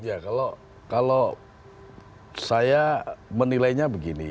ya kalau saya menilainya begini